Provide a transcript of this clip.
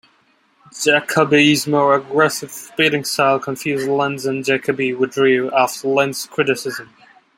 Jacoby's more aggressive bidding style confused Lenz and Jacoby withdrew after Lenz's criticism.